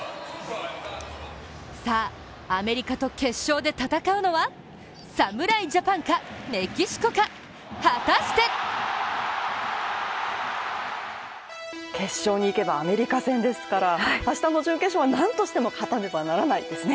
さあアメリカと決勝で戦うのは侍ジャパンかメキシコか、果たして決勝にいけばアメリカ戦ですから明日の準決勝は何としても勝たねばならないですよね。